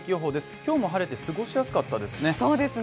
今日も晴れて過ごしやすかったですね